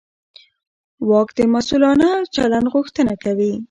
واک د مسوولانه چلند غوښتنه کوي.